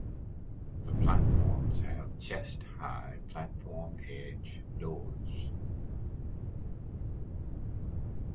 The platforms have chest-high platform edge doors.